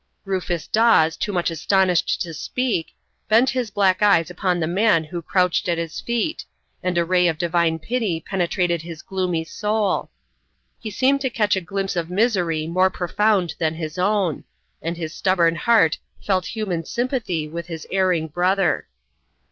Rufus Dawes, too much astonished to speak, bent his black eyes upon the man who crouched at his feet, and a ray of divine pity penetrated his gloomy soul. He seemed to catch a glimpse of misery more profound than his own, and his stubborn heart felt human sympathy with this erring brother.